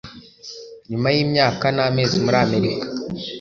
nyuma y imyaka n amezi muri amerika